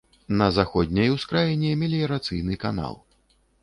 На заходняй ускраіне меліярацыйны канал.